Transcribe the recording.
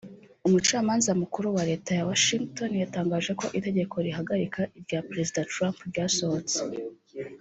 umucamanza mukuru wa Leta ya Washington yatangaje ko itegeko rihagarika irya Prezida Trump ryasohotse